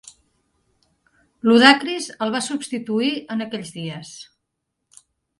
Ludacris el va substituir en aquells dies.